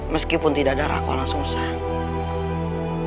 meskipun tidak ada rakawa langsung sang